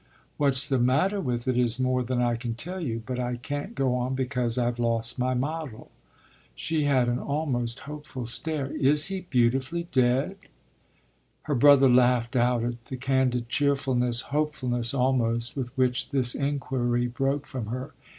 "What's the matter with it is more than I can tell you. But I can't go on because I've lost my model." She had an almost hopeful stare. "Is he beautifully dead?" Her brother laughed out at the candid cheerfulness, hopefulness almost, with which this inquiry broke from her.